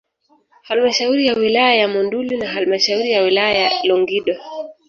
Halmashauri ya wilaya ya Monduli na halmashauri ya wilaya ya Longido